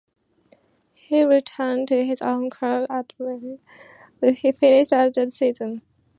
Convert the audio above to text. He returned to his own car at Milwaukee, where he finished out the season.